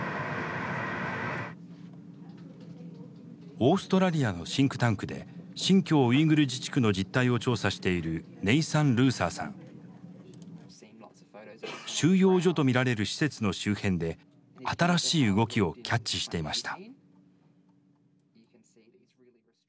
オーストラリアのシンクタンクで新疆ウイグル自治区の実態を調査している収容所と見られる施設の周辺で新しい動きをキャッチしていました。